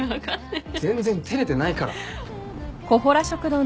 全然照れてないから。